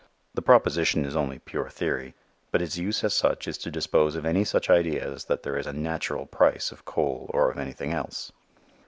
The proposition is only "pure theory." But its use as such is to dispose of any such idea as that there is a natural price of coal or of anything else.